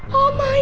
gak ada orang